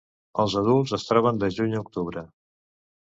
Els adults es troben de juny a octubre.